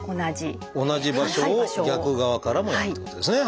同じ場所を逆側からもやるってことですね。